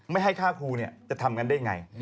ไม่ให้ฆ่าครูเนี่ยจะทำกันได้ยังไง